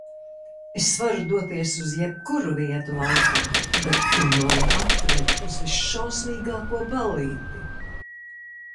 Es varu doties uz jebkuru vietu laikā, bet tu mani atved uz visšausmīgāko ballīti?